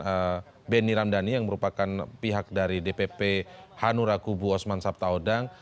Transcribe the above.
antara media begitu dengan benny ramdhani yang merupakan pihak dari dpp hanura kubu osman sabta odang